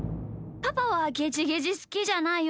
パパはゲジゲジすきじゃないよね？